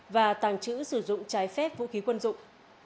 và tàng trữ sử dụng trái phép vũ khí quân dụng